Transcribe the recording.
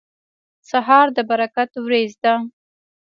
سهار د برکت وریځ ده.